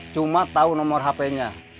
cuma tahu nomor hp nya